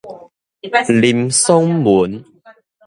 林爽文